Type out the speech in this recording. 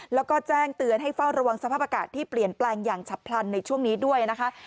แล้วก็แจ้งเตือนให้เฝ้าระวังสภาพอากาศที่เปลี่ยนแปลงอย่างฉับพลันในช่วงนี้ด้วยนะคะ